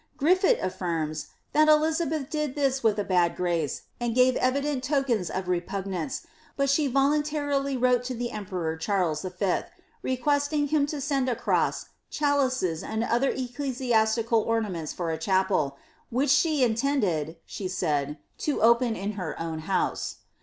Grifiet affirms, that Elixabeth did this with a bad grace, and gave evident tokens of repugnance, but she vo luntarily wrote to the emperor Charles V., requesting him to send a cross, chalices, and other ecclesiastical ornaments for a chapel, ^ which she intended," she said, ^ to open in her own house."